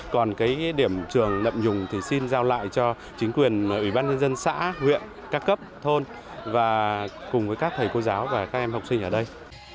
còn cái điểm trường nậm nhùng thì xin giao lại cho chính quyền ubnd xã huyện các cấp thôn và cùng với các thầy cô giáo và các em học sinh ở đây